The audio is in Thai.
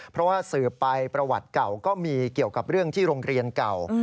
เพราะว่าสืบไปประวัติเก่าก็มีเกี่ยวกับเรื่องที่โรงเรียนเก่า